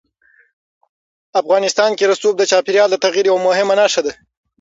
افغانستان کې رسوب د چاپېریال د تغیر یوه مهمه نښه ده.